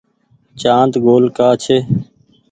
چآند گول ڪآ ڇي۔